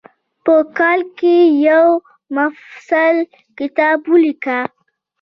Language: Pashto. په کال کې یو مفصل کتاب ولیکه.